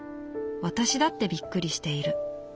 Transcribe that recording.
私だってびっくりしている。